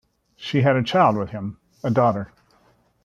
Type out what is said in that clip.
She has a child with him, a daughter.